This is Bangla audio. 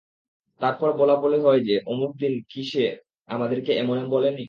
তারপর বলাবলি হয় যে, অমুক দিন কি সে আমাদেরকে এমন এমন বলেনি?